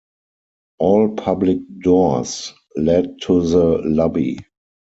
All public doors lead to the lobby.